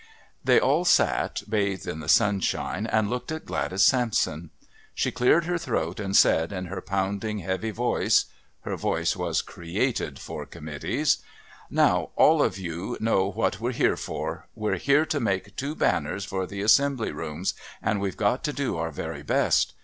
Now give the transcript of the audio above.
They all sat, bathed in the sunshine, and looked at Gladys Sampson. She cleared her throat and said in her pounding heavy voice her voice was created for Committees: "Now all of you know what we're here for. We're here to make two banners for the Assembly Rooms and we've got to do our very best.